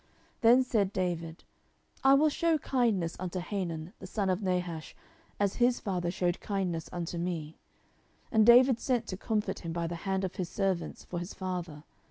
10:010:002 Then said David, I will shew kindness unto Hanun the son of Nahash, as his father shewed kindness unto me. And David sent to comfort him by the hand of his servants for his father.